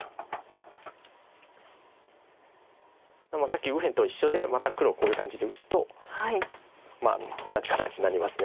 さっき右辺と一緒でまた黒こういう感じで打つと同じ形になります。